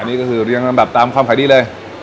อันนี้เรียงตามแบบใข้ดีเลย